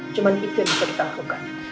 cuma itu yang bisa kita lakukan